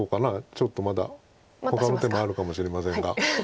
ちょっとまだほかの手もあるかもしれませんが。